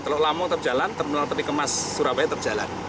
teluk lamu terjalan terminal peti kemas surabaya terjalan